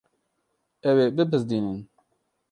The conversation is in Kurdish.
Ew ê bibizdînin.